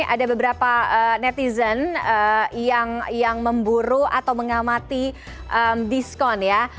ada beberapa netizen yang memburu atau mengamati diskon ya